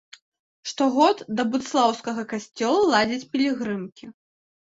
Штогод да будслаўскага касцёла ладзяць пілігрымкі.